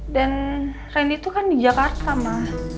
dan randy tuh kan di jakarta ma